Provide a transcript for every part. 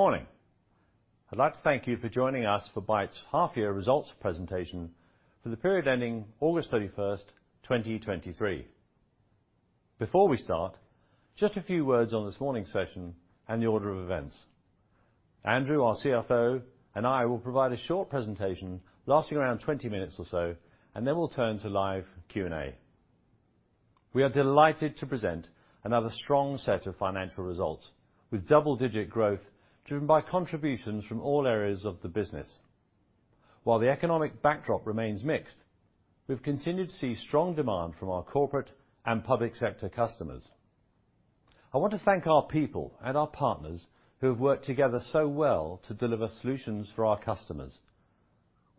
Good morning! I'd like to thank you for joining us for Bytes' half-year results presentation for the period ending August 31, 2023. Before we start, just a few words on this morning's session and the order of events. Andrew, our CFO, and I will provide a short presentation lasting around 20 minutes or so, and then we'll turn to live Q&A. We are delighted to present another strong set of financial results, with double-digit growth, driven by contributions from all areas of the business. While the economic backdrop remains mixed, we've continued to see strong demand from our corporate and public sector customers. I want to thank our people and our partners who have worked together so well to deliver solutions for our customers.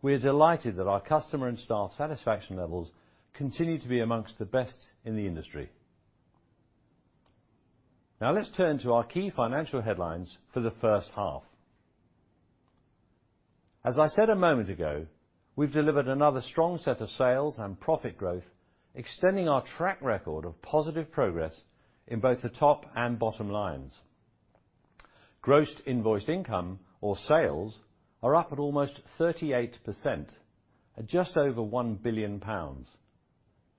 We are delighted that our customer and staff satisfaction levels continue to be among the best in the industry. Now, let's turn to our key financial headlines for the first half. As I said a moment ago, we've delivered another strong set of sales and profit growth, extending our track record of positive progress in both the top and bottom lines. Gross invoiced income or sales are up at almost 38%, at just over 1 billion pounds.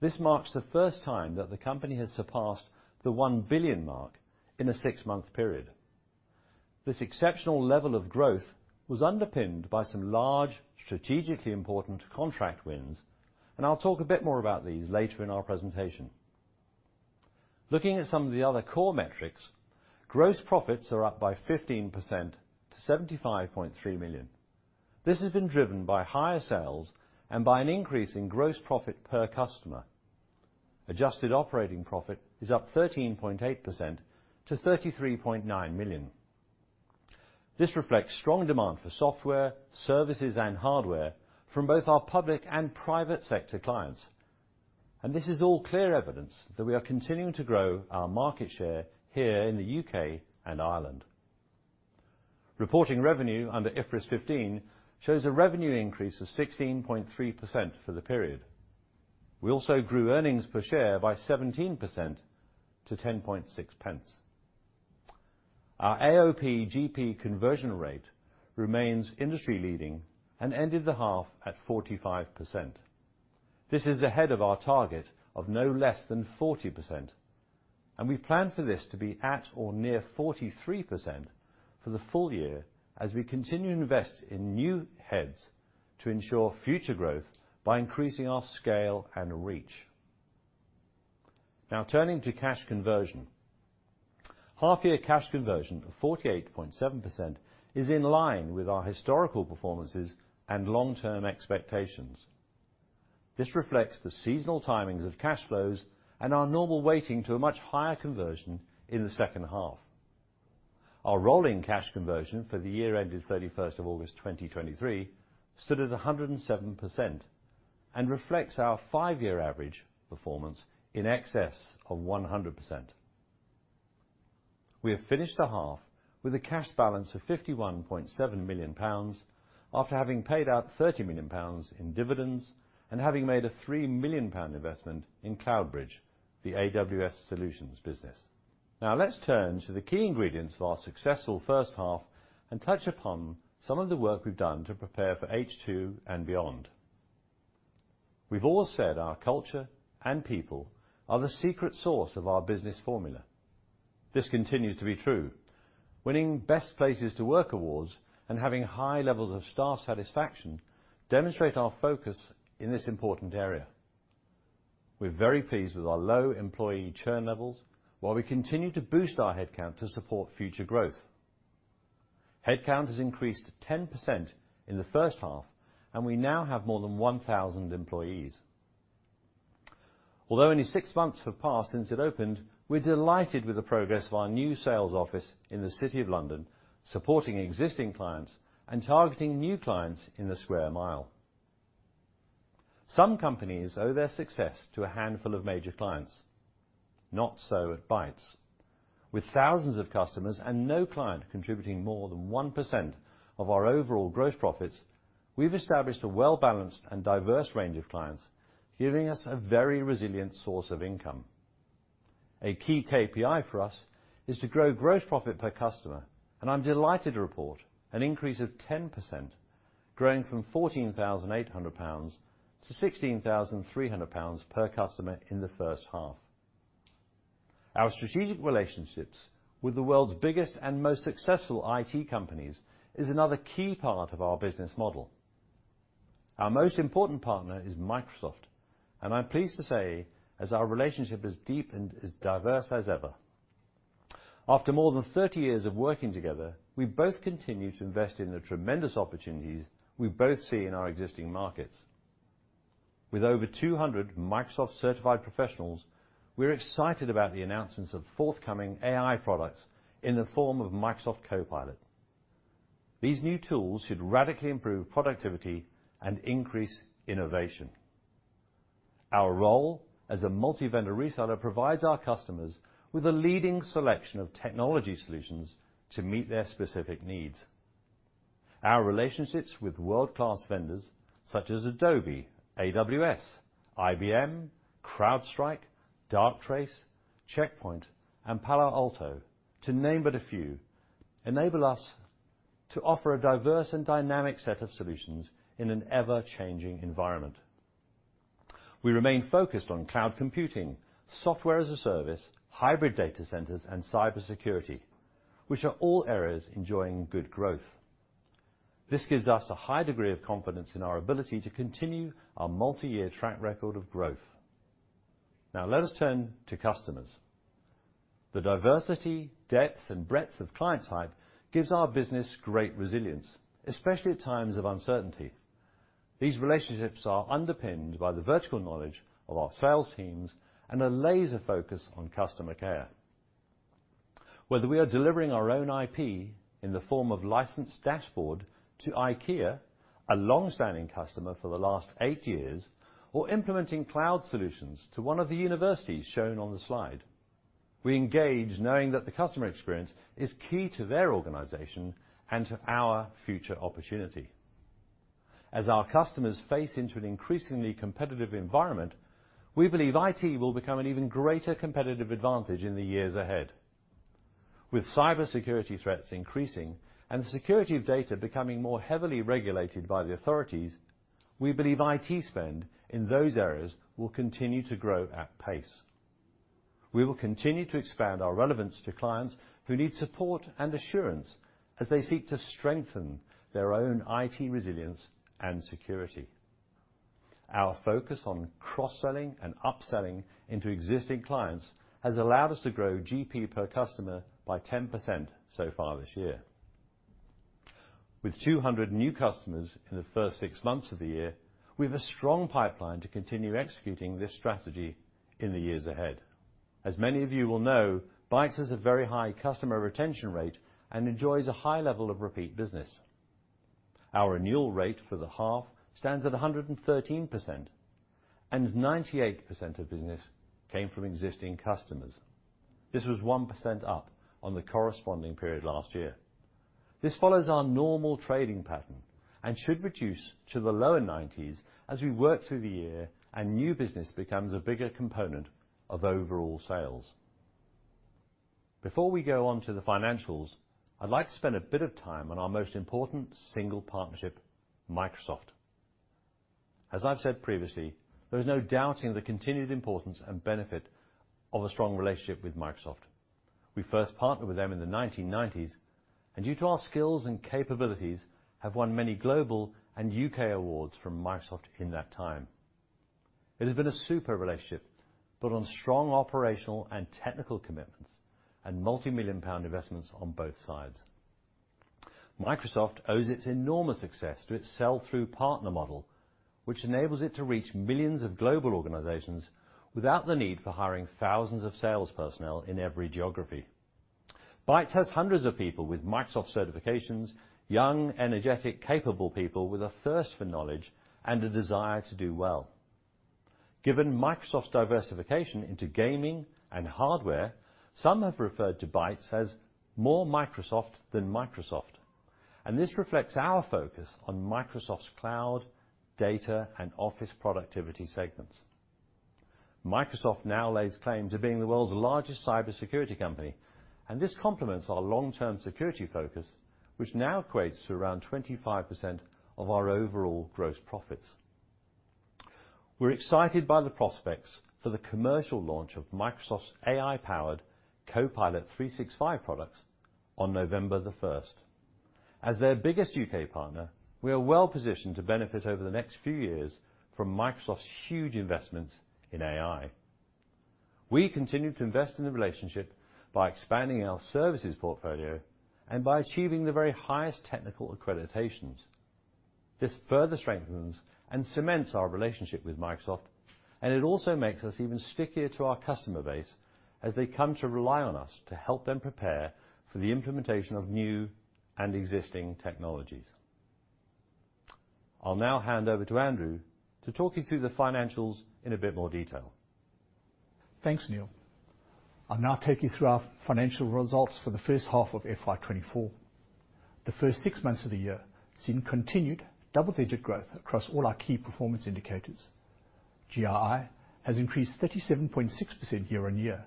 This marks the first time that the company has surpassed the 1 billion mark in a six-month period. This exceptional level of growth was underpinned by some large, strategically important contract wins, and I'll talk a bit more about these later in our presentation. Looking at some of the other core metrics, gross profits are up by 15% to 75.3 million. This has been driven by higher sales and by an increase in gross profit per customer. Adjusted operating profit is up 13.8% to 33.9 million. This reflects strong demand for software, services, and hardware from both our public and private sector clients, and this is all clear evidence that we are continuing to grow our market share here in the UK and Ireland. Reporting revenue under IFRS 15 shows a revenue increase of 16.3% for the period. We also grew earnings per share by 17% to 0.106. Our AOP GP conversion rate remains industry-leading and ended the half at 45%. This is ahead of our target of no less than 40%, and we plan for this to be at or near 43% for the full year as we continue to invest in new heads to ensure future growth by increasing our scale and reach. Now turning to cash conversion. Half year cash conversion of 48.7% is in line with our historical performances and long-term expectations. This reflects the seasonal timings of cash flows and our normal weighting to a much higher conversion in the second half. Our rolling cash conversion for the year ended 31st of August, 2023, stood at 107% and reflects our five-year average performance in excess of 100%. We have finished the half with a cash balance of 51.7 million pounds, after having paid out 30 million pounds in dividends and having made a 3 million pound investment in Cloud Bridge, the AWS solutions business. Now, let's turn to the key ingredients of our successful first half and touch upon some of the work we've done to prepare for H2 and beyond. We've all said our culture and people are the secret sauce of our business formula. This continues to be true. Winning Best Places to Work awards and having high levels of staff satisfaction demonstrate our focus in this important area. We're very pleased with our low employee churn levels, while we continue to boost our headcount to support future growth. Headcount has increased 10% in the first half, and we now have more than 1,000 employees. Although only six months have passed since it opened, we're delighted with the progress of our new sales office in the City of London, supporting existing clients and targeting new clients in the Square Mile. Some companies owe their success to a handful of major clients. Not so at Bytes. With thousands of customers and no client contributing more than 1% of our overall gross profits, we've established a well-balanced and diverse range of clients, giving us a very resilient source of income. A key KPI for us is to grow gross profit per customer, and I'm delighted to report an increase of 10%, growing from 14,800 pounds to 16,300 pounds per customer in the first half. Our strategic relationships with the world's biggest and most successful IT companies is another key part of our business model. Our most important partner is Microsoft, and I'm pleased to say as our relationship is deep and as diverse as ever. After more than 30 years of working together, we both continue to invest in the tremendous opportunities we both see in our existing markets. With over 200 Microsoft Certified Professionals, we're excited about the announcements of forthcoming AI products in the form of Microsoft Copilot. These new tools should radically improve productivity and increase innovation. Our role as a multi-vendor reseller provides our customers with a leading selection of technology solutions to meet their specific needs.... Our relationships with world-class vendors, such as Adobe, AWS, IBM, CrowdStrike, Darktrace, Check Point, and Palo Alto, to name but a few, enable us to offer a diverse and dynamic set of solutions in an ever-changing environment. We remain focused on cloud computing, software as a service, hybrid data centers, and cybersecurity, which are all areas enjoying good growth. This gives us a high degree of confidence in our ability to continue our multi-year track record of growth. Now let us turn to customers. The diversity, depth, and breadth of client type gives our business great resilience, especially at times of uncertainty. These relationships are underpinned by the vertical knowledge of our sales teams and a laser focus on customer care. Whether we are delivering our own IP in the form of License Dashboard to IKEA, a long-standing customer for the last eight years, or implementing cloud solutions to one of the universities shown on the slide, we engage knowing that the customer experience is key to their organization and to our future opportunity. As our customers face into an increasingly competitive environment, we believe IT will become an even greater competitive advantage in the years ahead. With cybersecurity threats increasing and the security of data becoming more heavily regulated by the authorities, we believe IT spend in those areas will continue to grow at pace. We will continue to expand our relevance to clients who need support and assurance as they seek to strengthen their own IT resilience and security. Our focus on cross-selling and upselling into existing clients has allowed us to grow GP per customer by 10% so far this year. With 200 new customers in the first six months of the year, we have a strong pipeline to continue executing this strategy in the years ahead. As many of you will know, Bytes has a very high customer retention rate and enjoys a high level of repeat business. Our renewal rate for the half stands at 113%, and 98% of business came from existing customers. This was 1% up on the corresponding period last year. This follows our normal trading pattern and should reduce to the lower 90s as we work through the year and new business becomes a bigger component of overall sales. Before we go on to the financials, I'd like to spend a bit of time on our most important single partnership, Microsoft. As I've said previously, there is no doubting the continued importance and benefit of a strong relationship with Microsoft. We first partnered with them in the 1990s, and due to our skills and capabilities, have won many global and UK awards from Microsoft in that time. It has been a super relationship, built on strong operational and technical commitments and multi-million-pound investments on both sides. Microsoft owes its enormous success to its sell-through partner model, which enables it to reach millions of global organizations without the need for hiring thousands of sales personnel in every geography. Bytes has hundreds of people with Microsoft certifications, young, energetic, capable people with a thirst for knowledge and a desire to do well. Given Microsoft's diversification into gaming and hardware, some have referred to Bytes as more Microsoft than Microsoft, and this reflects our focus on Microsoft's cloud, data, and office productivity segments. Microsoft now lays claim to being the world's largest cybersecurity company, and this complements our long-term security focus, which now equates to around 25% of our overall gross profits. We're excited by the prospects for the commercial launch of Microsoft's AI-powered Copilot 365 products on November the first. As their biggest UK partner, we are well-positioned to benefit over the next few years from Microsoft's huge investments in AI. We continue to invest in the relationship by expanding our services portfolio and by achieving the very highest technical accreditations. This further strengthens and cements our relationship with Microsoft, and it also makes us even stickier to our customer base as they come to rely on us to help them prepare for the implementation of new and existing technologies. I'll now hand over to Andrew to talk you through the financials in a bit more detail. Thanks, Neil. I'll now take you through our financial results for the first half of FY 2024. The first six months of the year have seen continued double-digit growth across all our key performance indicators. GII has increased 37.6% year-on-year,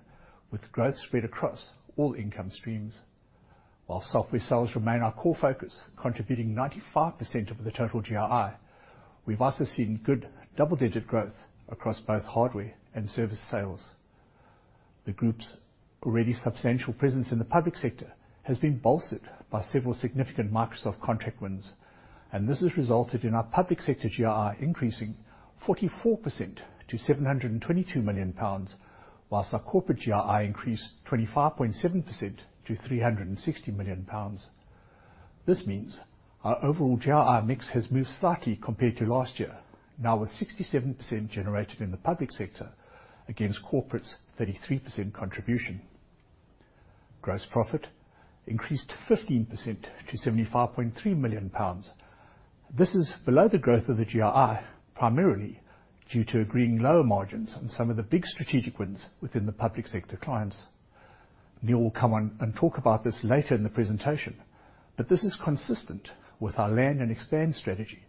with growth spread across all income streams. While software sales remain our core focus, contributing 95% of the total GII, we've also seen good double-digit growth across both hardware and service sales. The group's already substantial presence in the public sector has been bolstered by several significant Microsoft contract wins, and this has resulted in our public sector GII increasing 44% to GBP 722 million, whilst our corporate GII increased 25.7% to GBP 360 million. This means our overall GRI mix has moved slightly compared to last year, now with 67% generated in the public sector against corporate's 33% contribution. Gross profit increased 15% to 75.3 million pounds. This is below the growth of the GII, primarily due to agreeing lower margins on some of the big strategic wins within the public sector clients... Neil will come on and talk about this later in the presentation, but this is consistent with our Land and Expand strategy,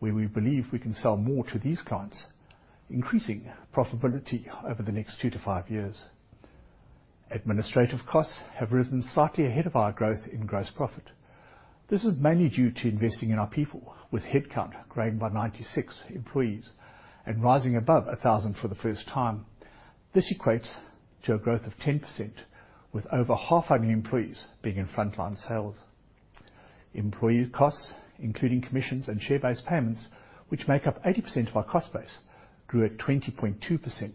where we believe we can sell more to these clients, increasing profitability over the next 2-5 years. Administrative costs have risen slightly ahead of our growth in gross profit. This is mainly due to investing in our people, with headcount growing by 96 employees and rising above 1,000 for the first time. This equates to a growth of 10%, with over half of our employees being in frontline sales. Employee costs, including commissions and share-based payments, which make up 80% of our cost base, grew at 20.2%.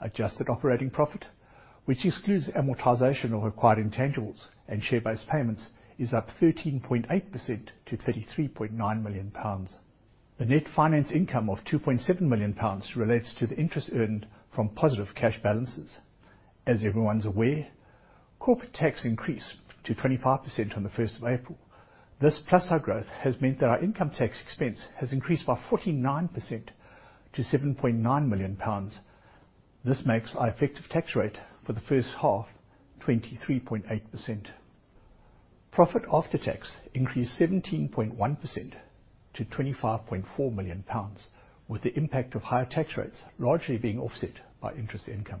Adjusted operating profit, which excludes amortization of acquired intangibles and share-based payments, is up 13.8% to 33.9 million pounds. The net finance income of 2.7 million pounds relates to the interest earned from positive cash balances. As everyone's aware, corporate tax increased to 25% on the first of April. This, plus our growth, has meant that our income tax expense has increased by 49% to 7.9 million pounds. This makes our effective tax rate for the first half, 23.8%. Profit after tax increased 17.1% to 25.4 million pounds, with the impact of higher tax rates largely being offset by interest income.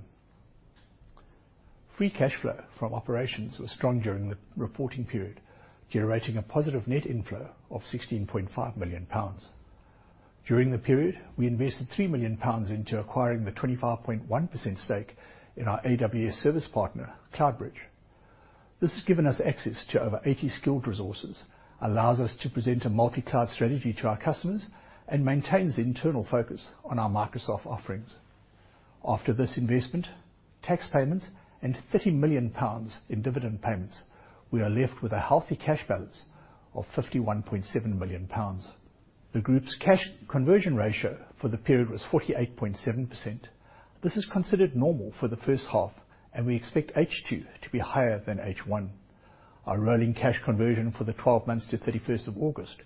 Free cash flow from operations was strong during the reporting period, generating a positive net inflow of 16.5 million pounds. During the period, we invested 3 million pounds into acquiring the 25.1% stake in our AWS service partner, Cloud Bridge. This has given us access to over 80 skilled resources, allows us to present a multi-cloud strategy to our customers, and maintains internal focus on our Microsoft offerings. After this investment, tax payments and 30 million pounds in dividend payments, we are left with a healthy cash balance of 51.7 million pounds. The group's cash conversion ratio for the period was 48.7%. This is considered normal for the first half, and we expect H2 to be higher than H1. Our rolling cash conversion for the twelve months to thirty-first of August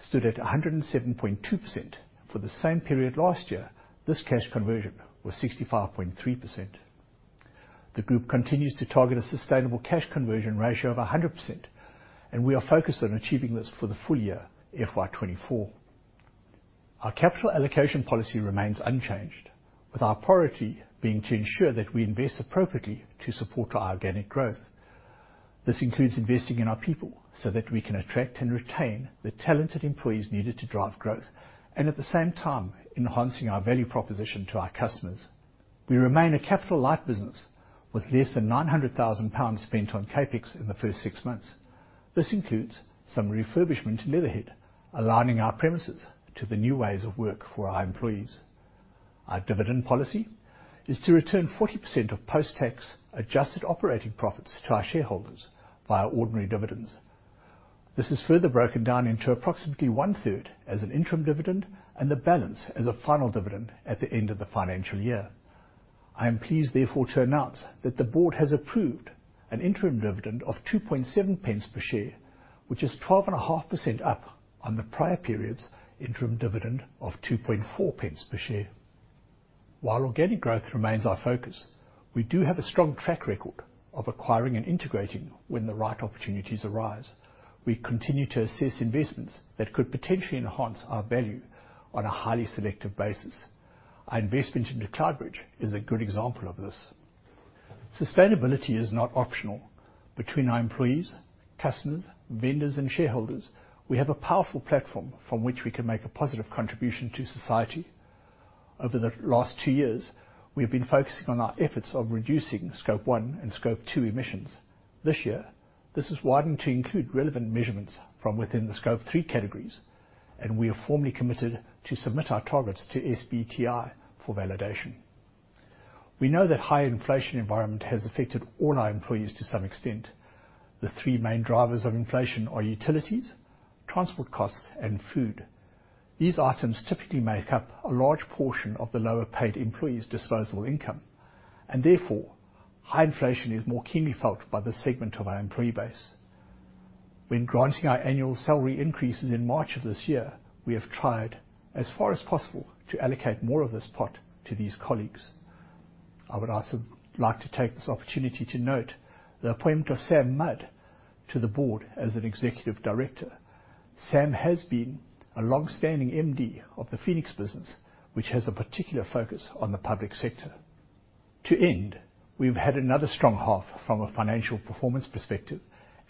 stood at 107.2%. For the same period last year, this cash conversion was 65.3%. The group continues to target a sustainable cash conversion ratio of 100%, and we are focused on achieving this for the full year, FY 2024. Our capital allocation policy remains unchanged, with our priority being to ensure that we invest appropriately to support our organic growth. This includes investing in our people so that we can attract and retain the talented employees needed to drive growth, and at the same time, enhancing our value proposition to our customers. We remain a capital light business with less than 900,000 pounds spent on CapEx in the first six months. This includes some refurbishment in Leatherhead, aligning our premises to the new ways of working for our employees. Our dividend policy is to return 40% of post-tax adjusted operating profits to our shareholders via ordinary dividends. This is further broken down into approximately one-third as an interim dividend and the balance as a final dividend at the end of the financial year. I am pleased, therefore, to announce that the board has approved an interim dividend of 2.7 pence per share, which is 12.5% up on the prior period's interim dividend of 2.4 pence per share. While organic growth remains our focus, we do have a strong track record of acquiring and integrating when the right opportunities arise. We continue to assess investments that could potentially enhance our value on a highly selective basis. Our investment into Cloud Bridge is a good example of this. Sustainability is not optional. Between our employees, customers, vendors, and shareholders, we have a powerful platform from which we can make a positive contribution to society. Over the last two years, we have been focusing on our efforts of reducing Scope 1 and Scope 2 emissions. This year, this has widened to include relevant measurements from within the Scope 3 categories, and we are formally committed to submit our targets to SBTi for validation. We know that high inflation environment has affected all our employees to some extent. The three main drivers of inflation are utilities, transport costs, and food. These items typically make up a large portion of the lower-paid employees' disposable income, and therefore, high inflation is more keenly felt by this segment of our employee base. When granting our annual salary increases in March of this year, we have tried as far as possible, to allocate more of this pot to these colleagues. I would also like to take this opportunity to note the appointment of Sam Mudd to the board as an executive director. Sam has been a long-standing MD of the Phoenix business, which has a particular focus on the public sector. To end, we've had another strong half from a financial performance perspective,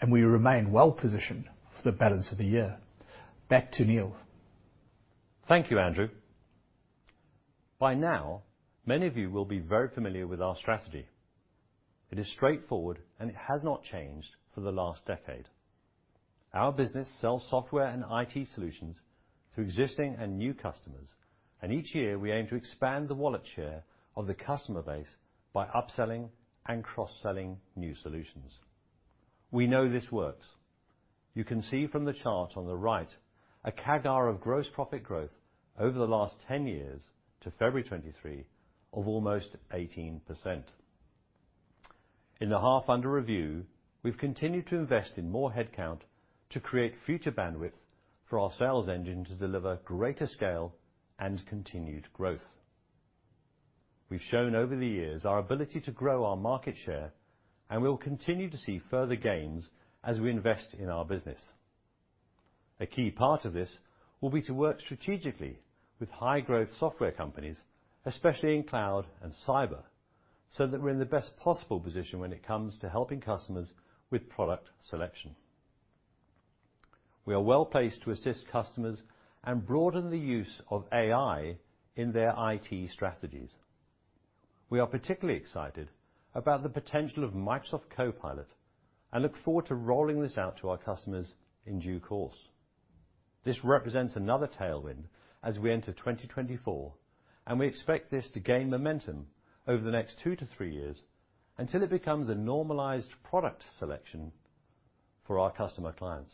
and we remain well-positioned for the balance of the year. Back to Neil. Thank you, Andrew. By now, many of you will be very familiar with our strategy. It is straightforward, and it has not changed for the last decade. Our business sells software and IT solutions to existing and new customers, and each year, we aim to expand the wallet share of the customer base by upselling and cross-selling new solutions. We know this works. You can see from the chart on the right a CAGR of gross profit growth over the last 10 years to February 2023 of almost 18%. In the half under review, we've continued to invest in more headcount to create future bandwidth for our sales engine to deliver greater scale and continued growth. We've shown over the years our ability to grow our market share, and we'll continue to see further gains as we invest in our business. A key part of this will be to work strategically with high-growth software companies, especially in cloud and cyber, so that we're in the best possible position when it comes to helping customers with product selection. We are well-placed to assist customers and broaden the use of AI in their IT strategies. We are particularly excited about the potential of Microsoft Copilot, and look forward to rolling this out to our customers in due course. This represents another tailwind as we enter 2024, and we expect this to gain momentum over the next 2-3 years until it becomes a normalized product selection for our customer clients.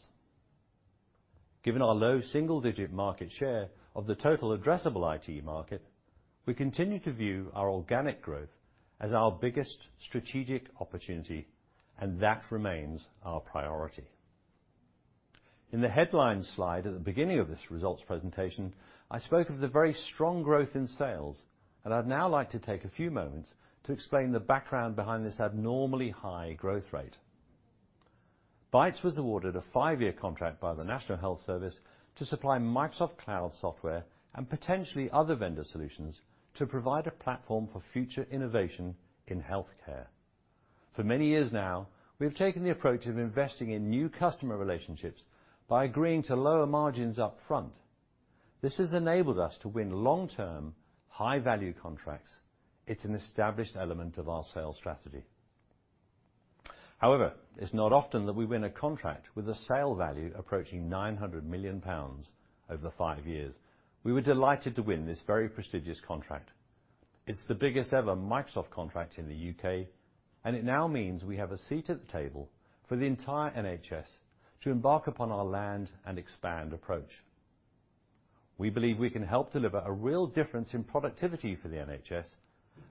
Given our low single-digit market share of the total addressable IT market, we continue to view our organic growth as our biggest strategic opportunity, and that remains our priority. In the headlines slide at the beginning of this results presentation, I spoke of the very strong growth in sales, and I'd now like to take a few moments to explain the background behind this abnormally high growth rate. Bytes was awarded a 5-year contract by the National Health Service to supply Microsoft Cloud software, and potentially other vendor solutions, to provide a platform for future innovation in healthcare. For many years now, we've taken the approach of investing in new customer relationships by agreeing to lower margins up front. This has enabled us to win long-term, high-value contracts. It's an established element of our sales strategy. However, it's not often that we win a contract with a sale value approaching 900 million pounds over the 5 years. We were delighted to win this very prestigious contract. It's the biggest ever Microsoft contract in the UK, and it now means we have a seat at the table for the entire NHS to embark upon our Land and Expand approach. We believe we can help deliver a real difference in productivity for the NHS,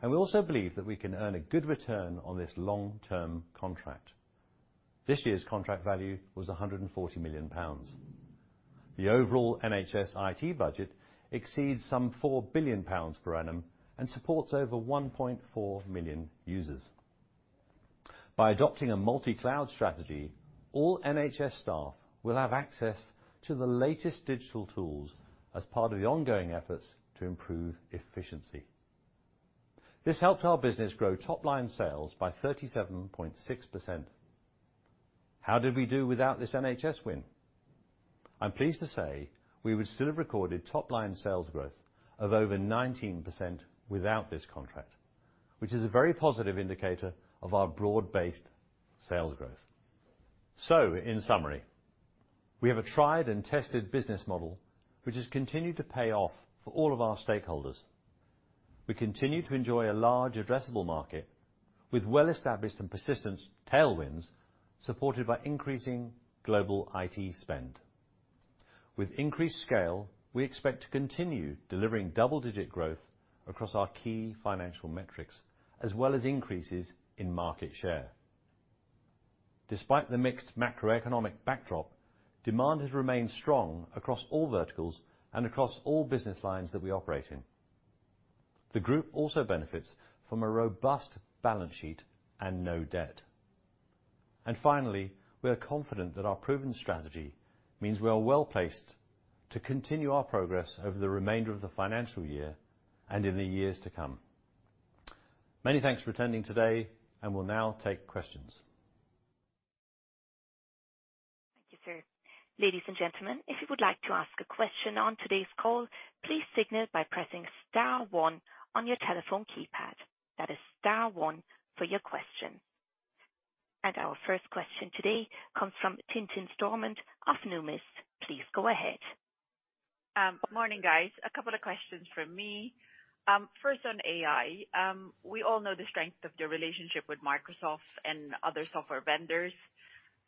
and we also believe that we can earn a good return on this long-term contract. This year's contract value was 140 million pounds. The overall NHS IT budget exceeds some 4 billion pounds per annum and supports over 1.4 million users. By adopting a multi-cloud strategy, all NHS staff will have access to the latest digital tools as part of the ongoing efforts to improve efficiency. This helped our business grow top-line sales by 37.6%. How did we do without this NHS win? I'm pleased to say we would still have recorded top-line sales growth of over 19% without this contract, which is a very positive indicator of our broad-based sales growth. In summary, we have a tried-and-tested business model, which has continued to pay off for all of our stakeholders. We continue to enjoy a large addressable market with well-established and persistent tailwinds, supported by increasing global IT spend. With increased scale, we expect to continue delivering double-digit growth across our key financial metrics, as well as increases in market share. Despite the mixed macroeconomic backdrop, demand has remained strong across all verticals and across all business lines that we operate in. The group also benefits from a robust balance sheet and no debt. Finally, we are confident that our proven strategy means we are well-placed to continue our progress over the remainder of the financial year and in the years to come. Many thanks for attending today, and we'll now take questions. Thank you, sir. Ladies and gentlemen, if you would like to ask a question on today's call, please signal by pressing star one on your telephone keypad. That is star one for your question. And our first question today comes from Tintin Stormont of Numis. Please go ahead. Good morning, guys. A couple of questions from me. First on AI. We all know the strength of your relationship with Microsoft and other software vendors.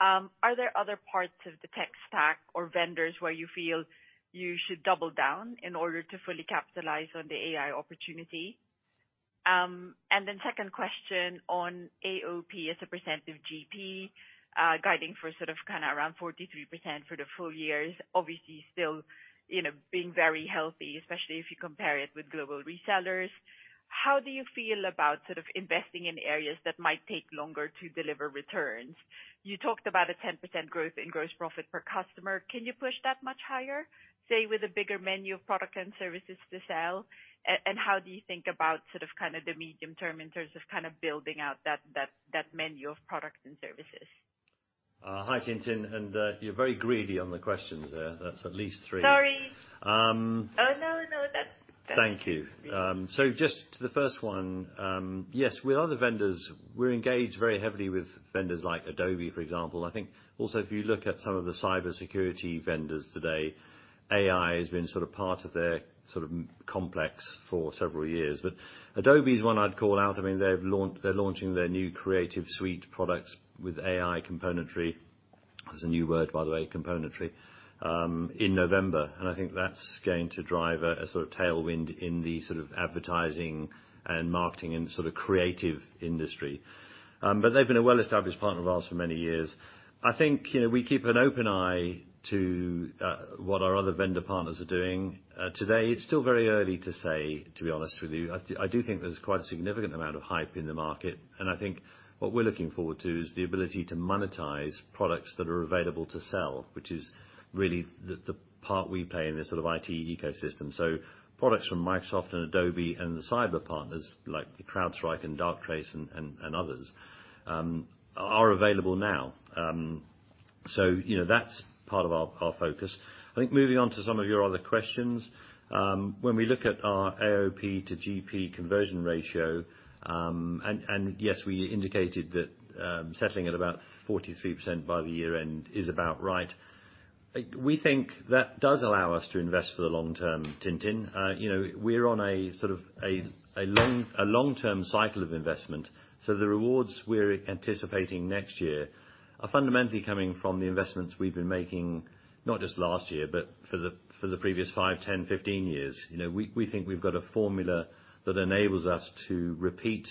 Are there other parts of the tech stack or vendors where you feel you should double down in order to fully capitalize on the AI opportunity? And then second question on AOP as a percent of GP, guiding for sort of, kind of around 43% for the full year is obviously still, you know, being very healthy, especially if you compare it with global resellers. How do you feel about sort of investing in areas that might take longer to deliver returns? You talked about a 10% growth in gross profit per customer. Can you push that much higher, say, with a bigger menu of products and services to sell? And how do you think about sort of, kind of the medium term in terms of kind of building out that menu of products and services? Hi, Tintin, and you're very greedy on the questions there. That's at least three. Sorry. Um... Oh, no, no, that's- Thank you. So just to the first one, yes, with other vendors, we're engaged very heavily with vendors like Adobe, for example. I think also, if you look at some of the cybersecurity vendors today, AI has been sort of part of their sort of complex for several years. But Adobe is one I'd call out. I mean, they've launch- they're launching their new Creative Suite products with AI componentry. That's a new word, by the way, componentry, in November, and I think that's going to drive a sort of tailwind in the sort of advertising and marketing and sort of creative industry. But they've been a well-established partner of ours for many years. I think, you know, we keep an open eye to what our other vendor partners are doing. Today, it's still very early to say, to be honest with you. I do think there's quite a significant amount of hype in the market, and I think what we're looking forward to is the ability to monetize products that are available to sell, which is really the part we play in this sort of IT ecosystem. So products from Microsoft and Adobe and the cyber partners, like the CrowdStrike and Darktrace and others, are available now. So, you know, that's part of our focus. I think, moving on to some of your other questions, when we look at our AOP to GP conversion ratio, and yes, we indicated that, settling at about 43% by the year end is about right. We think that does allow us to invest for the long term, TinTin. You know, we're on a sort of a long-term cycle of investment, so the rewards we're anticipating next year are fundamentally coming from the investments we've been making, not just last year, but for the previous five, 10, 15 years. You know, we think we've got a formula that enables us to repeat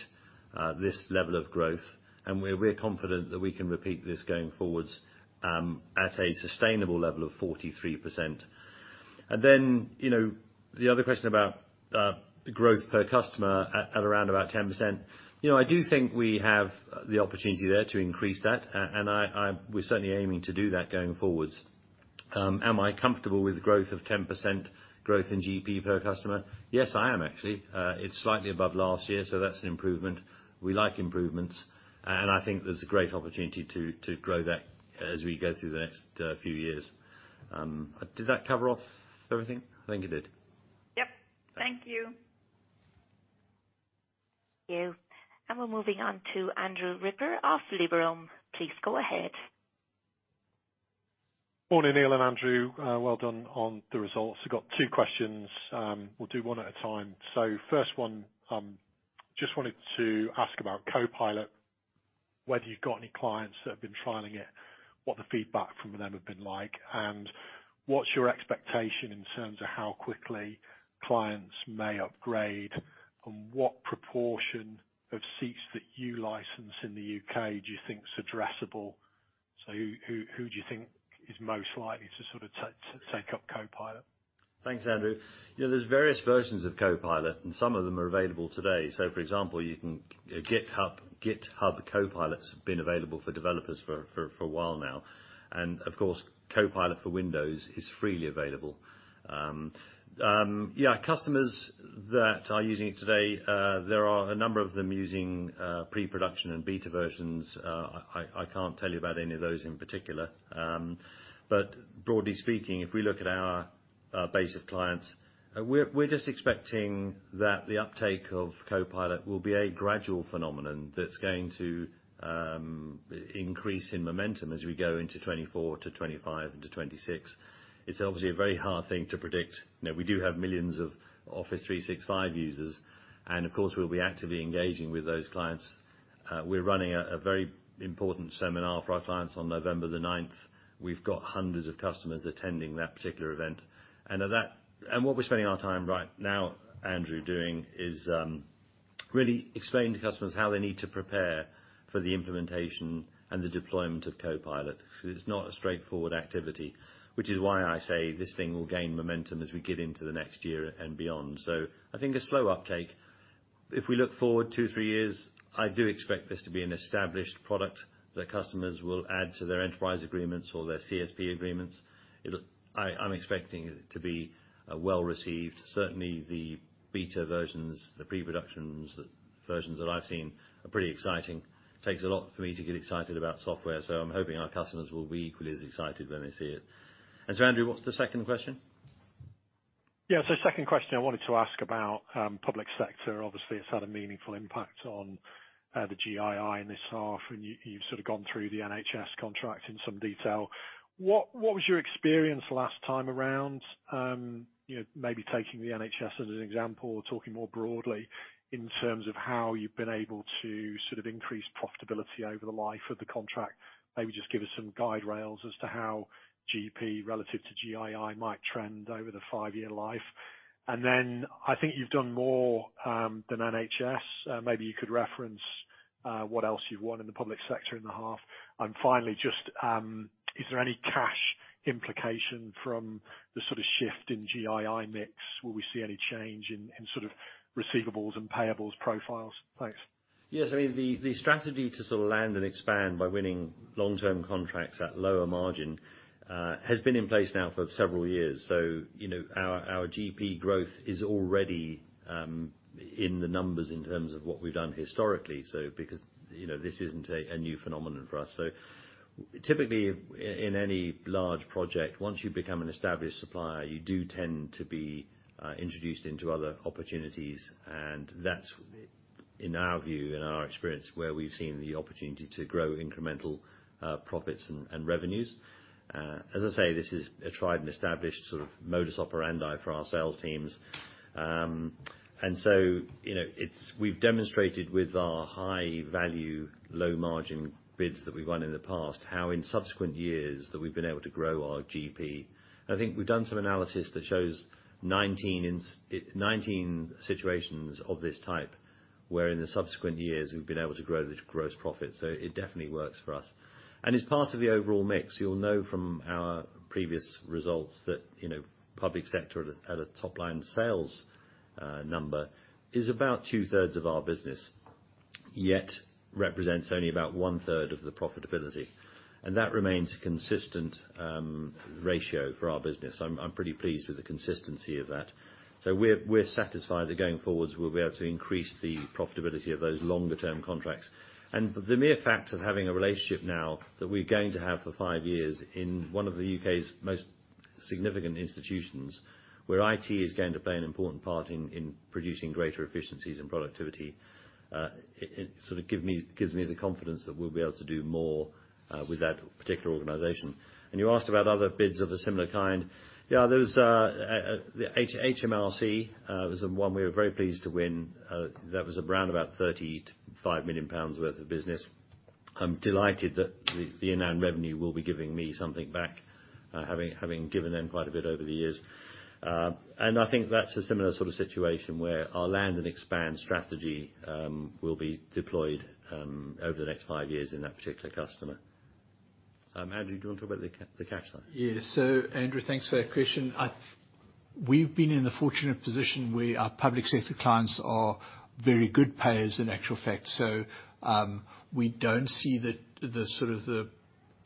this level of growth, and we're confident that we can repeat this going forwards, at a sustainable level of 43%. And then, you know, the other question about the growth per customer at around about 10%. You know, I do think we have the opportunity there to increase that, and we're certainly aiming to do that going forwards. Am I comfortable with growth of 10% growth in GP per customer? Yes, I am, actually. It's slightly above last year, so that's an improvement. We like improvements, and I think there's a great opportunity to grow that as we go through the next few years. Did that cover off everything? I think it did. Yep. Thank you. Thank you. We're moving on to Andrew Ripper of Liberum. Please go ahead. Morning, Neil and Andrew. Well done on the results. I've got two questions. We'll do one at a time. So first one, just wanted to ask about Copilot, whether you've got any clients that have been trialing it, what the feedback from them have been like, and what's your expectation in terms of how quickly clients may upgrade? And what proportion of seats that you license in the UK do you think is addressable? So who, who, who do you think is most likely to sort of take up Copilot? Thanks, Andrew. You know, there's various versions of Copilot, and some of them are available today. So, for example, you can—GitHub, GitHub Copilots have been available for developers for a while now, and of course, Copilot for Windows is freely available. Yeah, customers that are using it today, there are a number of them using pre-production and beta versions. I can't tell you about any of those in particular. But broadly speaking, if we look at our base of clients, we're just expecting that the uptake of Copilot will be a gradual phenomenon that's going to increase in momentum as we go into 2024 to 2025, into 2026. It's obviously a very hard thing to predict. You know, we do have millions of Office 365 users, and of course, we'll be actively engaging with those clients. We're running a very important seminar for our clients on November the ninth. We've got hundreds of customers attending that particular event, and what we're spending our time right now, Andrew, doing is really explaining to customers how they need to prepare for the implementation and the deployment of Copilot. Because it's not a straightforward activity, which is why I say this thing will gain momentum as we get into the next year and beyond. So I think a slow uptake. If we look forward 2-3 years, I do expect this to be an established product that customers will add to their enterprise agreements or their CSP agreements. It'll. I'm expecting it to be well-received. Certainly, the beta versions, the pre-productions versions that I've seen are pretty exciting. Takes a lot for me to get excited about software, so I'm hoping our customers will be equally as excited when they see it. And so, Andrew, what's the second question? Yeah, so second question, I wanted to ask about public sector. Obviously, it's had a meaningful impact on the GII in this half, and you've sort of gone through the NHS contract in some detail. What was your experience last time around? You know, maybe taking the NHS as an example, or talking more broadly in terms of how you've been able to sort of increase profitability over the life of the contract. Maybe just give us some guide rails as to how GP relative to GII might trend over the five-year life. And then I think you've done more than NHS. Maybe you could reference what else you've won in the public sector in the half. And finally, just, is there any cash implication from the sort of shift in GII mix? Will we see any change in sort of receivables and payables profiles? Thanks. Yes, I mean, the strategy to sort of land and expand by winning long-term contracts at lower margin has been in place now for several years. So, you know, our GP growth is already in the numbers in terms of what we've done historically, so, because, you know, this isn't a new phenomenon for us. So typically, in any large project, once you become an established supplier, you do tend to be introduced into other opportunities, and that's, in our view, in our experience, where we've seen the opportunity to grow incremental profits and revenues. As I say, this is a tried and established sort of modus operandi for our sales teams. And so, you know, we've demonstrated with our high value, low-margin bids that we've won in the past, how in subsequent years that we've been able to grow our GP. I think we've done some analysis that shows 19 situations of this type, where in the subsequent years, we've been able to grow the gross profit. So it definitely works for us. And as part of the overall mix, you'll know from our previous results that, you know, public sector at a top-line sales number, is about two-thirds of our business, yet represents only about one-third of the profitability. And that remains a consistent ratio for our business. I'm pretty pleased with the consistency of that. So we're satisfied that going forward, we'll be able to increase the profitability of those longer-term contracts. And the mere fact of having a relationship now, that we're going to have for five years in one of the U.K.'s most significant institutions, where IT is going to play an important part in producing greater efficiencies and productivity, it sort of gives me the confidence that we'll be able to do more with that particular organization. And you asked about other bids of a similar kind. Yeah, there was HMRC, was the one we were very pleased to win, that was around about 35 million pounds worth of business. I'm delighted that the Inland Revenue will be giving me something back, having given them quite a bit over the years. And I think that's a similar sort of situation where our Land and Expand strategy will be deployed over the next five years in that particular customer. Andrew, do you want to talk about the cash flow? Yes. So Andrew, thanks for that question. We've been in the fortunate position where our public sector clients are very good payers in actual fact. So, we don't see the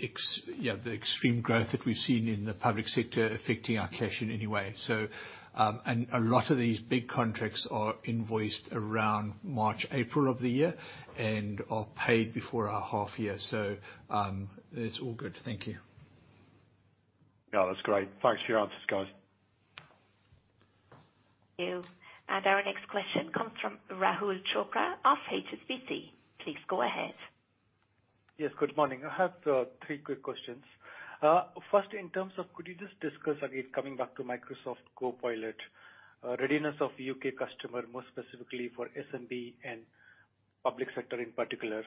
extreme growth that we've seen in the public sector affecting our cash in any way. So, and a lot of these big contracts are invoiced around March, April of the year and are paid before our half year. So, it's all good. Thank you. Yeah, that's great. Thanks for your answers, guys. Thank you. Our next question comes from Rahul Chopra of HSBC. Please go ahead. Yes, good morning. I have three quick questions. First, in terms of could you just discuss, again, coming back to Microsoft Copilot, readiness of the U.K. customer, more specifically for SMB and public sector in particular?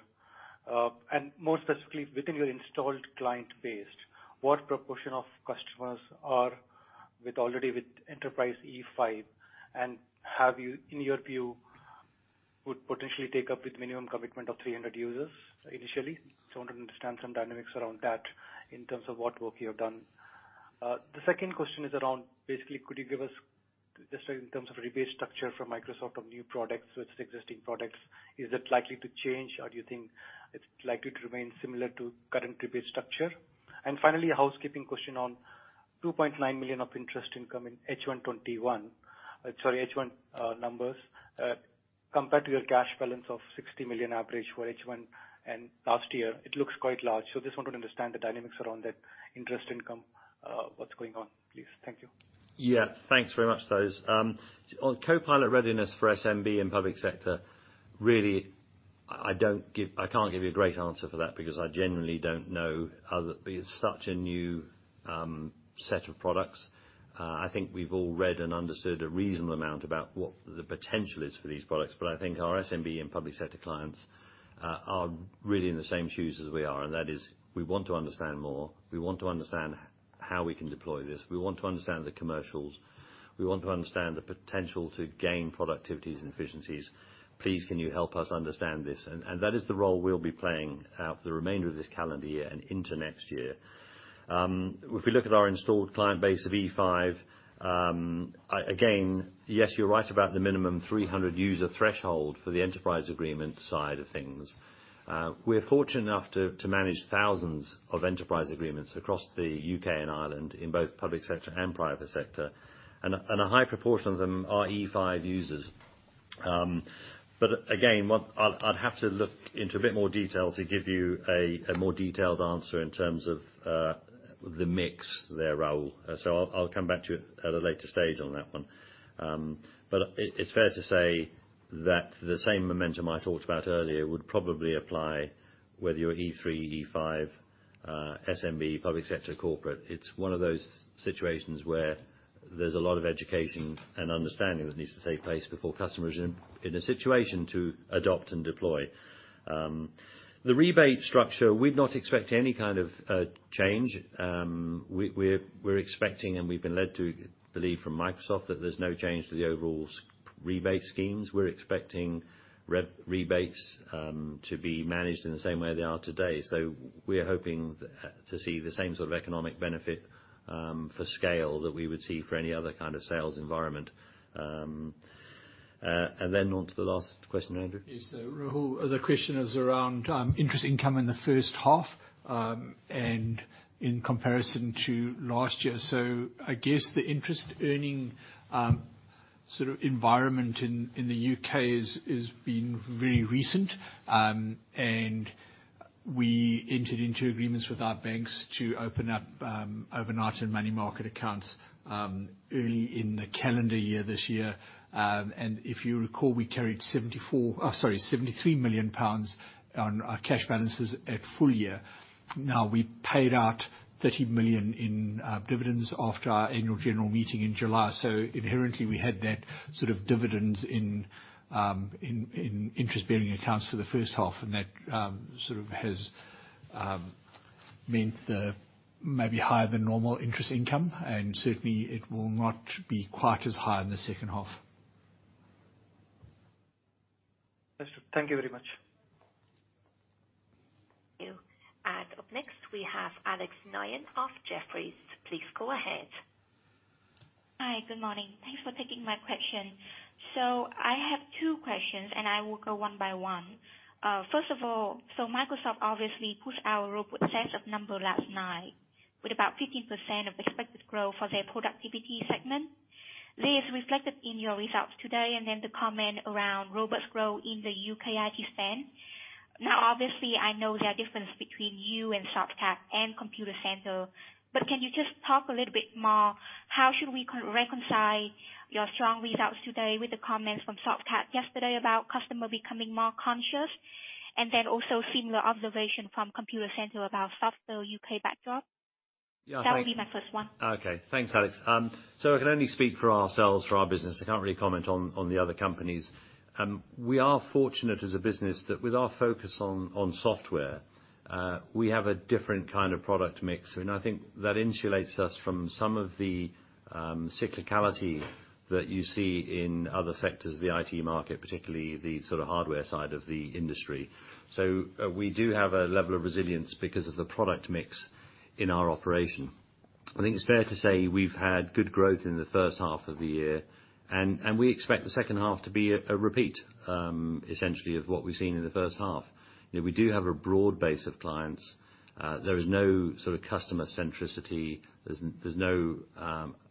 And more specifically, within your installed client base, what proportion of customers are already with Enterprise E5, and have you—in your view, would potentially take up with minimum commitment of 300 users initially? Just want to understand some dynamics around that in terms of what work you have done. The second question is around, basically, could you give us just in terms of rebate structure for Microsoft on new products with existing products, is it likely to change, or do you think it's likely to remain similar to current rebate structure? And finally a housekeeping question on 2.9 million of interest income in H1 2021, sorry, H1, numbers, compared to your cash balance of 60 million average for H1 and last year, it looks quite large. Just want to understand the dynamics around that interest income, what's going on, please? Thank you. Yeah, thanks very much for those. On Copilot readiness for SMB and public sector, really, I can't give you a great answer for that because I genuinely don't know how... It's such a new set of products. I think we've all read and understood a reasonable amount about what the potential is for these products, but I think our SMB and public sector clients are really in the same shoes as we are, and that is we want to understand more, we want to understand how we can deploy this, we want to understand the commercials, we want to understand the potential to gain productivities and efficiencies. Please, can you help us understand this? And, and that is the role we'll be playing out for the remainder of this calendar year and into next year. If we look at our installed client base of E5, again, yes, you're right about the minimum 300-user threshold for the Enterprise Agreement side of things. We're fortunate enough to manage thousands of Enterprise Agreements across the UK and Ireland in both public sector and private sector, and a high proportion of them are E5 users. But again, I'd have to look into a bit more detail to give you a more detailed answer in terms of the mix there, Rahul. So I'll come back to you at a later stage on that one. But it's fair to say that the same momentum I talked about earlier would probably apply whether you're E3, E5, SMB, public sector, corporate. It's one of those situations where there's a lot of educating and understanding that needs to take place before customers are in a situation to adopt and deploy. The rebate structure, we'd not expect any kind of change. We're expecting, and we've been led to believe from Microsoft, that there's no change to the overall rebate schemes. We're expecting rebates to be managed in the same way they are today. So we're hoping to see the same sort of economic benefit for scale that we would see for any other kind of sales environment. And then on to the last question, Andrew. Yes, so Rahul, the question is around interest income in the first half, and in comparison to last year. So I guess the interest earning sort of environment in the UK is been very recent. We entered into agreements with our banks to open up overnight and money market accounts early in the calendar year this year. And if you recall, we carried seventy-four—oh, sorry, seventy-three million pounds on our cash balances at full year. Now, we paid out thirty million in dividends after our annual general meeting in July. So inherently, we had that sort of dividends in interest-bearing accounts for the first half, and that sort of has meant the maybe higher than normal interest income, and certainly, it will not be quite as high in the second half. Thank you very much. Thank you. Up next, we have Alex Noyon of Jefferies. Please go ahead. Hi, good morning. Thanks for taking my question. So I have two questions, and I will go one by one. First of all, so Microsoft obviously pushed out robust set of numbers last night with about 15% above expected growth for their productivity segment. This is reflected in your results today, and then the comment around robust growth in the U.K. IT spend. Now, obviously, I know there are differences between you and Softcat and Computacenter, but can you just talk a little bit more, how should we reconcile your strong results today with the comments from Softcat yesterday about customers becoming more cautious, and then also similar observation from Computacenter about softer U.K. backdrop? Yeah. That will be my first one. Okay. Thanks, Alex. So I can only speak for ourselves, for our business. I can't really comment on the other companies. We are fortunate as a business that with our focus on software, we have a different kind of product mix, and I think that insulates us from some of the cyclicality that you see in other sectors of the IT market, particularly the sort of hardware side of the industry. So, we do have a level of resilience because of the product mix in our operation. I think it's fair to say we've had good growth in the first half of the year, and we expect the second half to be a repeat, essentially, of what we've seen in the first half. You know, we do have a broad base of clients. There is no sort of customer centricity. There's no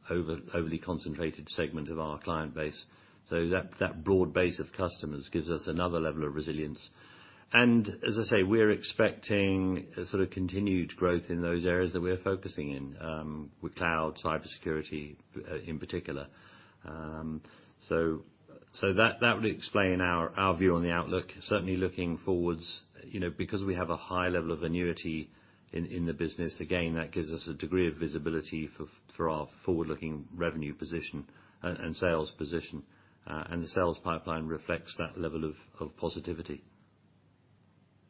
overly concentrated segment of our client base. So that broad base of customers gives us another level of resilience. And as I say, we're expecting a sort of continued growth in those areas that we're focusing in, with cloud, cybersecurity, in particular. So that would explain our view on the outlook. Certainly looking forwards, you know, because we have a high level of annuity in the business, again, that gives us a degree of visibility for our forward-looking revenue position and sales position, and the sales pipeline reflects that level of positivity.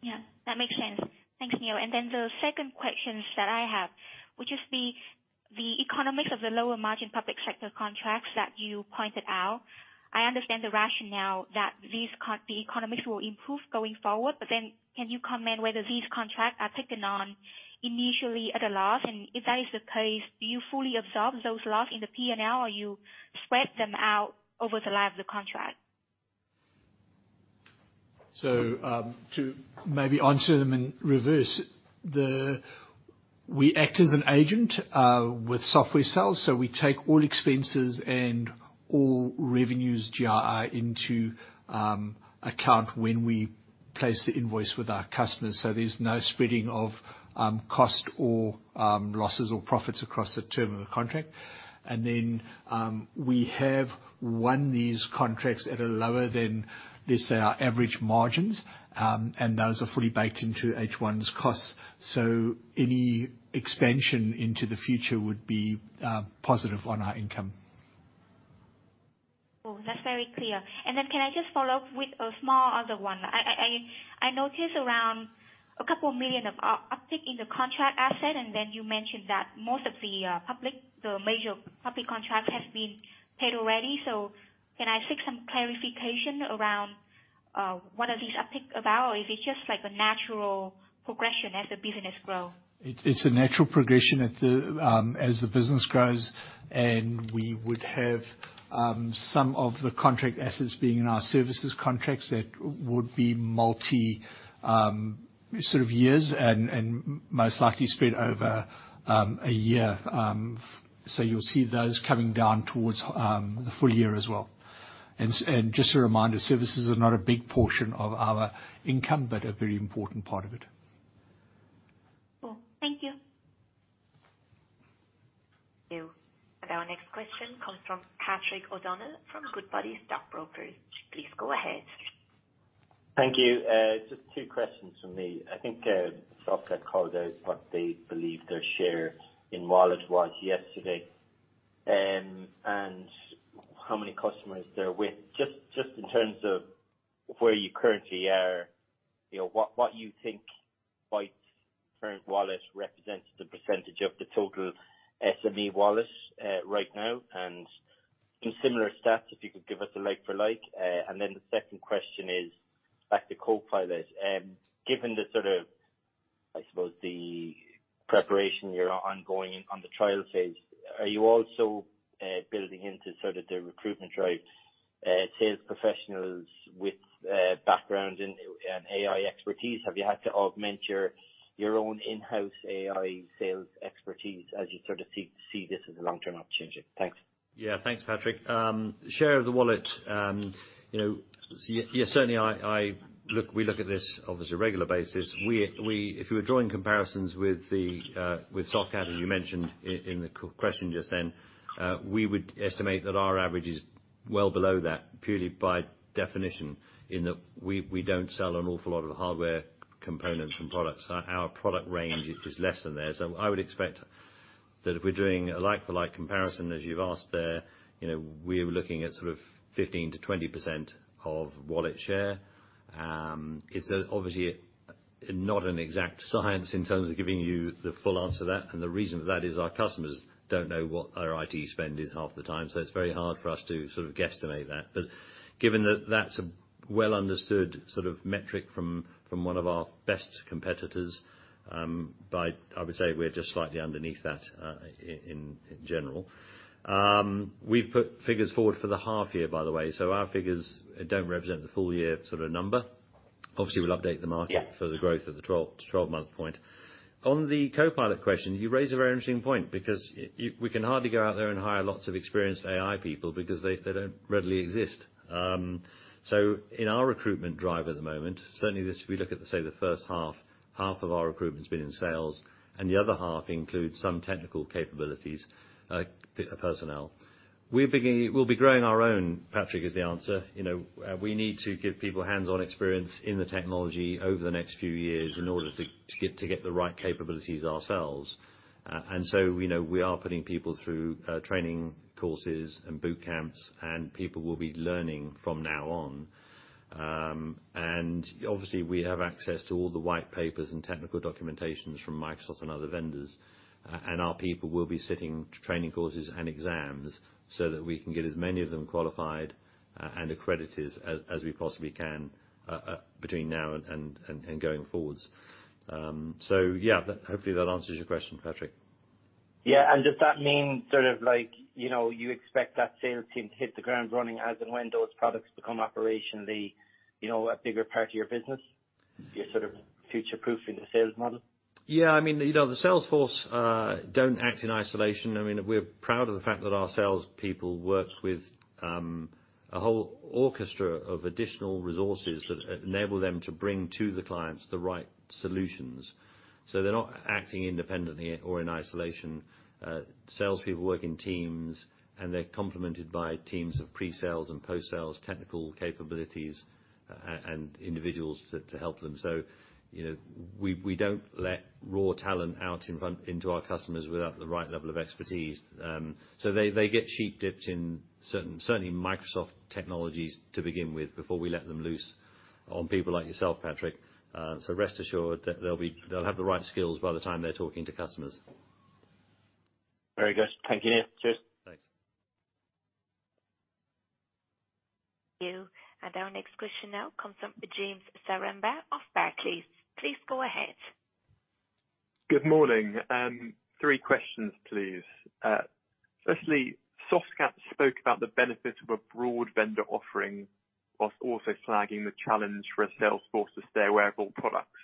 Yeah, that makes sense. Thanks, Neil. And then the second question that I have, which is the economics of the lower margin public sector contracts that you pointed out. I understand the rationale that the economics will improve going forward, but then can you comment whether these contracts are taken on initially at a loss? And if that is the case, do you fully absorb those losses in the P&L, or you spread them out over the life of the contract? So, to maybe answer them in reverse, we act as an agent with software sales, so we take all expenses and all revenues GRI into account when we place the invoice with our customers. So there's no spreading of cost or losses or profits across the term of the contract. And then, we have won these contracts at a lower than, let's say, our average margins, and those are fully baked into H1's costs. So any expansion into the future would be positive on our income. Cool, that's very clear. Then can I just follow up with a small other one? I noticed around 2 million of uptick in the contract asset, and then you mentioned that most of the public, the major public contracts, have been paid already. So can I seek some clarification around what are these uptick about, or is it just like a natural progression as the business grow? It's a natural progression at the as the business grows, and we would have some of the contract assets being in our services contracts that would be multi sort of years and most likely spread over a year. So you'll see those coming down towards the full year as well. And just a reminder, services are not a big portion of our income, but a very important part of it. Cool. Thank you. Thank you. Our next question comes from Patrick O'Donnell from Goodbody Stockbrokers. Please go ahead. Thank you. Just two questions from me. I think Softcat called out what they believe their share in Wallet was yesterday, and how many customers they're with. Just in terms of where you currently are, you know, what you think Bytes' current Wallet represents the percentage of the total SME wallets right now, and some similar stats, if you could give us a like for like. And then the second question is back to Copilot. Given the sort of, I suppose, the preparation you're ongoing on the trial phase, are you also building into sort of the recruitment drive sales professionals with background in AI expertise? Have you had to augment your own in-house AI sales expertise as you sort of see this as a long-term opportunity? Thanks. Yeah, thanks, Patrick. Share of the wallet, you know, yes, certainly I look, we look at this, obviously, regular basis. We. If you were drawing comparisons with Softcat, and you mentioned in the question just then, we would estimate that our average is well below that, purely by definition, in that we don't sell an awful lot of the hardware components and products. Our product range is less than theirs. So I would expect that if we're doing a like-for-like comparison, as you've asked there, you know, we're looking at sort of 15%-20% of wallet share. It's obviously not an exact science in terms of giving you the full answer to that, and the reason for that is our customers don't know what our IT spend is half the time, so it's very hard for us to sort of guesstimate that. But given that that's a well-understood sort of metric from one of our best competitors, by... I would say we're just slightly underneath that in general. We've put figures forward for the half year, by the way, so our figures don't represent the full year sort of number. Obviously, we'll update the market- Yeah for the growth of the 12- to 12-month point. On the Copilot question, you raise a very interesting point, because you, we can hardly go out there and hire lots of experienced AI people because they don't readily exist. So in our recruitment drive at the moment, certainly this, if we look at, say, the first half, half of our recruitment's been in sales, and the other half includes some technical capabilities, personnel. We'll be growing our own, Patrick, is the answer. You know, we need to give people hands-on experience in the technology over the next few years in order to to get the right capabilities ourselves. And so, you know, we are putting people through training courses and boot camps, and people will be learning from now on. And obviously, we have access to all the white papers and technical documentation from Microsoft and other vendors, and our people will be sitting training courses and exams so that we can get as many of them qualified and accredited as we possibly can, between now and going forwards. So yeah, hopefully that answers your question, Patrick. Yeah, and does that mean sort of like, you know, you expect that sales team to hit the ground running as and when those products become operationally, you know, a bigger part of your business? You're sort of future-proofing the sales model. Yeah, I mean, you know, the sales force don't act in isolation. I mean, we're proud of the fact that our salespeople work with a whole orchestra of additional resources that enable them to bring to the clients the right solutions. So they're not acting independently or in isolation. Salespeople work in teams, and they're complemented by teams of pre-sales and post-sales, technical capabilities, and individuals to help them. So, you know, we don't let raw talent out in front into our customers without the right level of expertise. So they get sheep-dipped in certain Microsoft technologies, certainly, to begin with, before we let them loose on people like yourself, Patrick. So rest assured that they'll have the right skills by the time they're talking to customers. Very good. Thank you, Neil. Cheers. Thanks. Our next question now comes from James Zaremba of Barclays. Please go ahead. Good morning. Three questions, please. Firstly, Softcat spoke about the benefits of a broad vendor offering, while also flagging the challenge for a salesforce to stay aware of all products.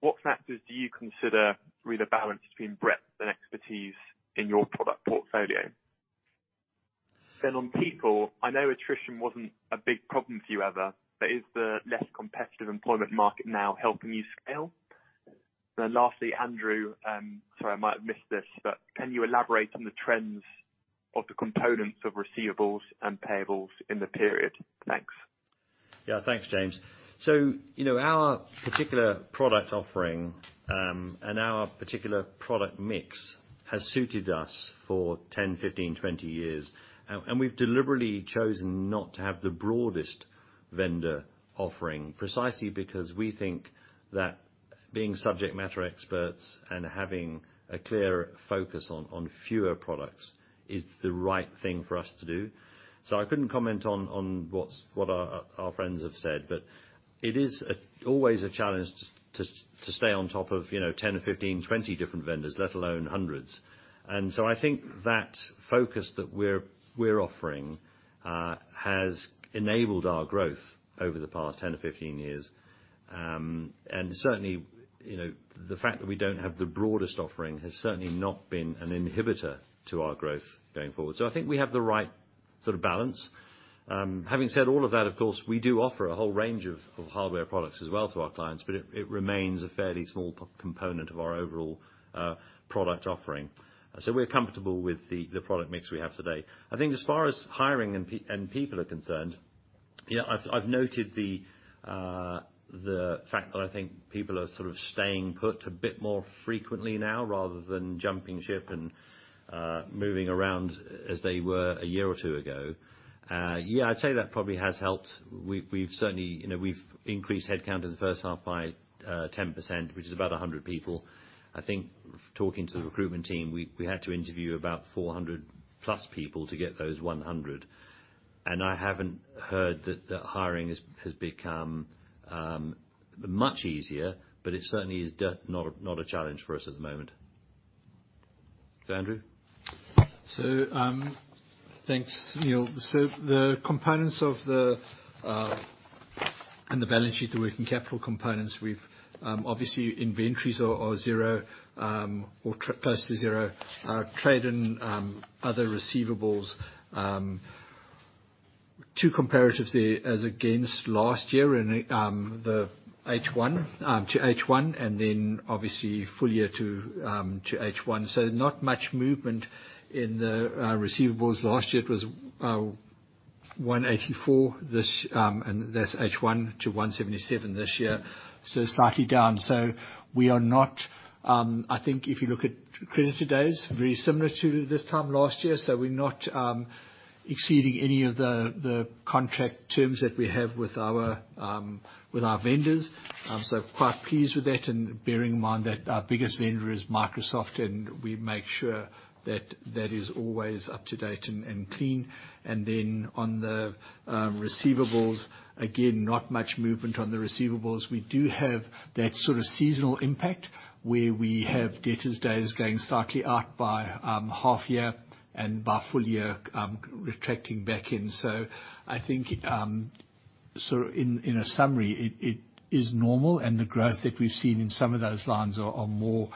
What factors do you consider re the balance between breadth and expertise in your product portfolio? Then on people, I know attrition wasn't a big problem for you ever, but is the less competitive employment market now helping you scale? Then lastly, Andrew, sorry, I might have missed this, but can you elaborate on the trends of the components of receivables and payables in the period? Thanks. Yeah, thanks, James. So, you know, our particular product offering, and our particular product mix has suited us for 10, 15, 20 years. And we've deliberately chosen not to have the broadest vendor offering, precisely because we think that being subject matter experts and having a clear focus on fewer products is the right thing for us to do. So I couldn't comment on what our friends have said, but it is always a challenge to stay on top of, you know, 10 or 15, 20 different vendors, let alone hundreds. And so I think that focus that we're offering has enabled our growth over the past 10-15 years. And certainly, you know, the fact that we don't have the broadest offering has certainly not been an inhibitor to our growth going forward. So I think we have the right sort of balance. Having said all of that, of course, we do offer a whole range of hardware products as well to our clients, but it remains a fairly small component of our overall product offering. So we're comfortable with the product mix we have today. I think as far as hiring and people are concerned, you know, I've noted the fact that I think people are sort of staying put a bit more frequently now, rather than jumping ship and moving around as they were a year or two ago. Yeah, I'd say that probably has helped. We've certainly, you know, we've increased headcount in the first half by 10%, which is about 100 people. I think talking to the recruitment team, we had to interview about 400+ people to get those 100. And I haven't heard that the hiring has become much easier, but it certainly is not a, not a challenge for us at the moment.... Andrew? Thanks, Neil. The components of the and the balance sheet, the working capital components, we've obviously inventories are zero or close to zero. Trade and other receivables, two comparatives there as against last year in the H1 to H1, and then obviously full year to H1. So not much movement in the receivables. Last year, it was 184. This and that's H1 to 177 this year, so slightly down. So we are not, I think if you look at creditor days, very similar to this time last year, so we're not exceeding any of the contract terms that we have with our vendors. So quite pleased with that, and bearing in mind that our biggest vendor is Microsoft, and we make sure that that is always up to date and clean. And then on the receivables, again, not much movement on the receivables. We do have that sort of seasonal impact, where we have debtors days going slightly out by half year and by full year, retracting back in. So I think so in a summary, it is normal, and the growth that we've seen in some of those lines are more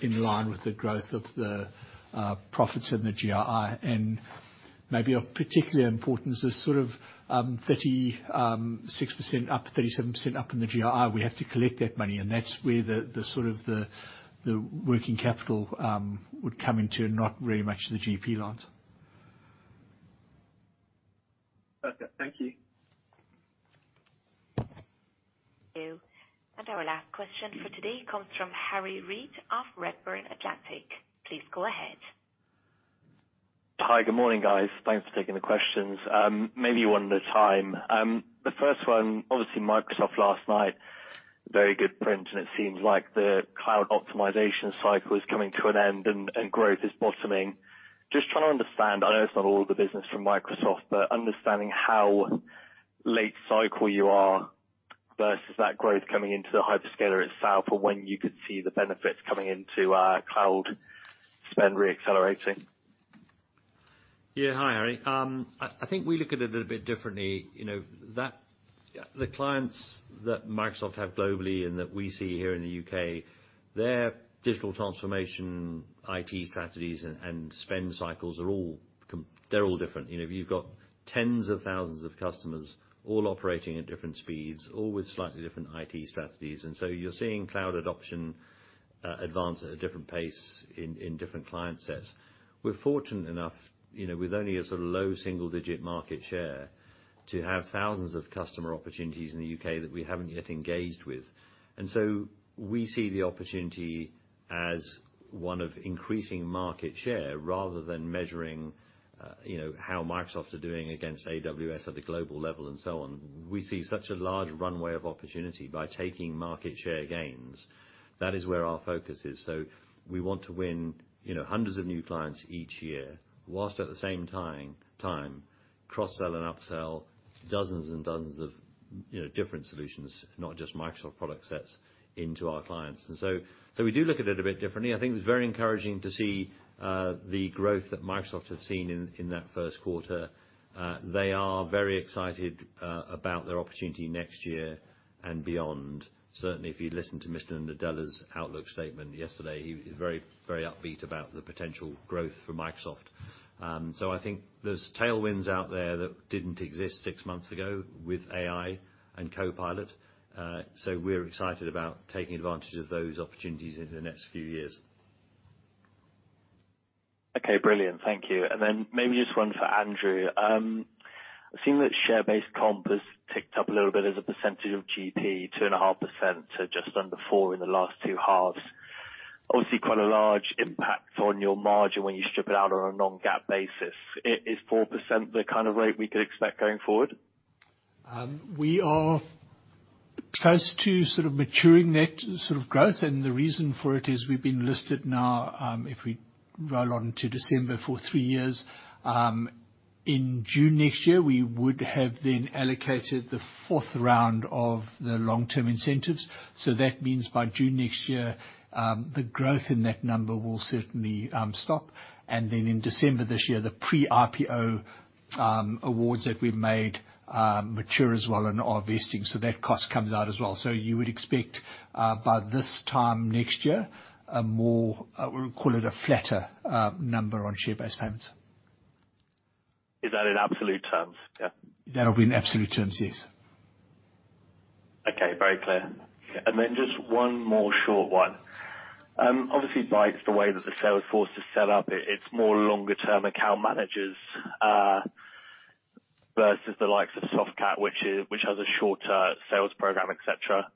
in line with the growth of the profits and the GRI. And maybe of particular importance is sort of 36% up, 37% up in the GRI. We have to collect that money, and that's where the sort of working capital would come into not very much the GP lines. Okay. Thank you. Thank you. Our last question for today comes from Harry Reid of Redburn Atlantic. Please go ahead. Hi, good morning, guys. Thanks for taking the questions. Maybe one at a time. The first one, obviously, Microsoft last night, very good print, and it seems like the cloud optimization cycle is coming to an end, and growth is bottoming. Just trying to understand, I know it's not all the business from Microsoft, but understanding how late cycle you are versus that growth coming into the hyperscaler itself, or when you could see the benefits coming into cloud spend reaccelerating. Yeah. Hi, Harry. I think we look at it a little bit differently. You know, that the clients that Microsoft have globally and that we see here in the U.K., their digital transformation, IT strategies, and spend cycles are all com-- they're all different. You know, you've got tens of thousands of customers, all operating at different speeds, all with slightly different IT strategies, and so you're seeing cloud adoption advance at a different pace in different client sets. We're fortunate enough, you know, with only a sort of low single-digit market share, to have thousands of customer opportunities in the U.K. that we haven't yet engaged with. And so we see the opportunity as one of increasing market share rather than measuring, you know, how Microsoft are doing against AWS at the global level and so on. We see such a large runway of opportunity by taking market share gains. That is where our focus is. So we want to win, you know, hundreds of new clients each year, while at the same time, cross-sell and upsell dozens and dozens of, you know, different solutions, not just Microsoft product sets, into our clients. And so we do look at it a bit differently. I think it's very encouraging to see the growth that Microsoft has seen in that first quarter. They are very excited about their opportunity next year and beyond. Certainly, if you listen to Mr. Nadella's outlook statement yesterday, he was very, very upbeat about the potential growth for Microsoft. So I think there's tailwinds out there that didn't exist six months ago with AI and Copilot. So, we're excited about taking advantage of those opportunities in the next few years. Okay, brilliant. Thank you. And then maybe just one for Andrew. I've seen that share-based comp has ticked up a little bit as a percentage of GP, 2.5% to just under 4% in the last two halves. Obviously, quite a large impact on your margin when you strip it out on a non-GAAP basis. Is 4% the kind of rate we could expect going forward? We are close to sort of maturing that sort of growth, and the reason for it is we've been listed now, if we roll on to December, for three years. In June next year, we would have then allocated the fourth round of the long-term incentives. So that means by June next year, the growth in that number will certainly stop, and then in December this year, the pre-IPO awards that we've made mature as well and are vesting, so that cost comes out as well. So you would expect, by this time next year, a more, we'll call it a flatter number on share-based payments. Is that in absolute terms? Yeah. That'll be in absolute terms, yes. Okay, very clear. And then just one more short one. Obviously, by the way that the sales force is set up, it's more longer-term account managers versus the likes of Softcat, which has a shorter sales program, et cetera.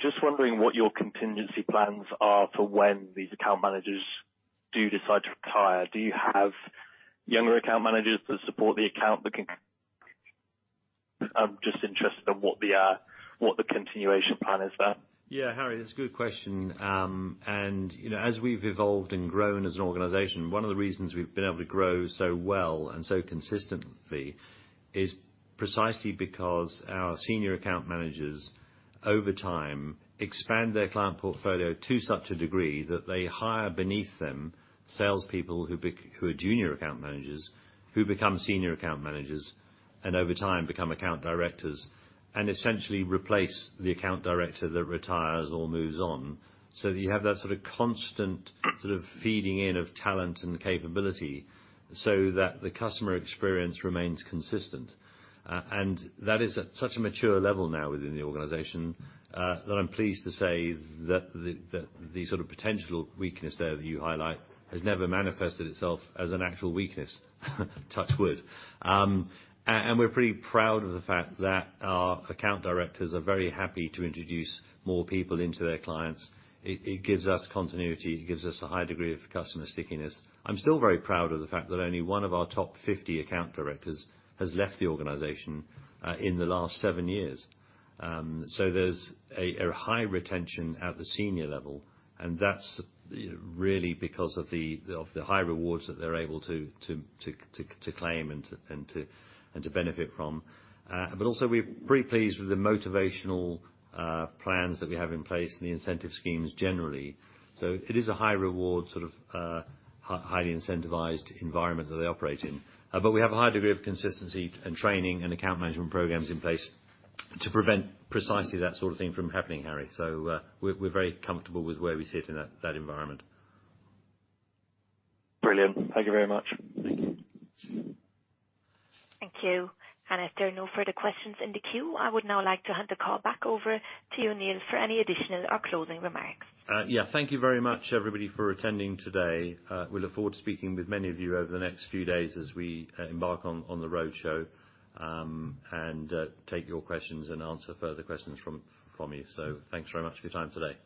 Just wondering what your contingency plans are for when these account managers do decide to retire. Do you have younger account managers to support the account that can... I'm just interested in what the continuation plan is there? Yeah, Harry, that's a good question. You know, as we've evolved and grown as an organization, one of the reasons we've been able to grow so well and so consistently is precisely because our senior account managers over time expand their client portfolio to such a degree that they hire beneath them, salespeople who are junior account managers, who become senior account managers, and over time, become account directors, and essentially replace the account director that retires or moves on. So you have that sort of constant sort of feeding in of talent and the capability, so that the customer experience remains consistent. That is at such a mature level now within the organization, that I'm pleased to say that the sort of potential weakness there that you highlight has never manifested itself as an actual weakness, touch wood. And we're pretty proud of the fact that our account directors are very happy to introduce more people into their clients. It gives us continuity. It gives us a high degree of customer stickiness. I'm still very proud of the fact that only one of our top 50 account directors has left the organization in the last 7 years. So there's a high retention at the senior level, and that's really because of the high rewards that they're able to claim and to benefit from. But also, we're pretty pleased with the motivational plans that we have in place and the incentive schemes generally. So it is a high reward, sort of, highly incentivized environment that they operate in. But we have a high degree of consistency and training, and account management programs in place to prevent precisely that sort of thing from happening, Harry. So, we're very comfortable with where we sit in that environment. Brilliant. Thank you very much. Thank you. If there are no further questions in the queue, I would now like to hand the call back over to you, Neil, for any additional or closing remarks. Yeah, thank you very much, everybody, for attending today. We look forward to speaking with many of you over the next few days as we embark on the roadshow and take your questions and answer further questions from you. So thanks very much for your time today.